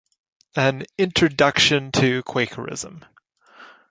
"An Introduction to Quakerism".